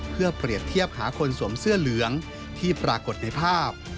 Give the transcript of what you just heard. เพื่อเปรียบเทียบหาคนสวมเสื้อเหลืองที่ปรากฏในภาพ